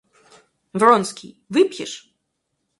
Вронский, выпьешь?